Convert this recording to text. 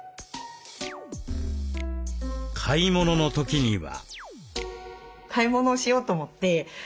買い物の時には。